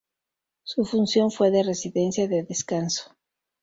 Su función fue de residencia de descanso.